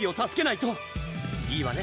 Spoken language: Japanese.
いいわね？